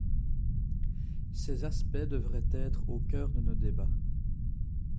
Ces aspects devraient être au cœur de nos débats.